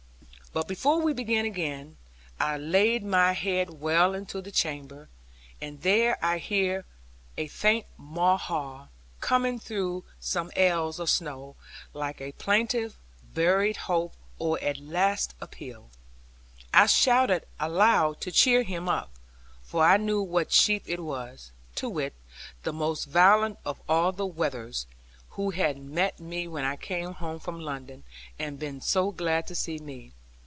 But before we began again, I laid my head well into the chamber; and there I hears a faint 'ma a ah,' coming through some ells of snow, like a plaintive, buried hope, or a last appeal. I shouted aloud to cheer him up, for I knew what sheep it was, to wit, the most valiant of all the wethers, who had met me when I came home from London, and been so glad to see me.